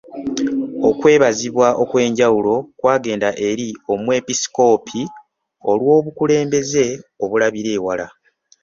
Okwebazibwa okw'enjawulo kwagenda eri Omwepiskoopi olw'obukulembeze obulabira ewala.